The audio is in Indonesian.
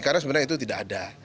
karena sebenarnya itu tidak ada